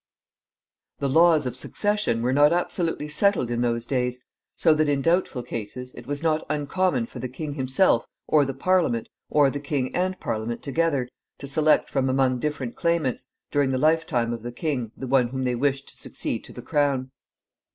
The laws of succession were not absolutely settled in those days, so that, in doubtful cases, it was not uncommon for the king himself, or the Parliament, or the king and Parliament together, to select from among different claimants, during the life time of the king, the one whom they wished to succeed to the crown.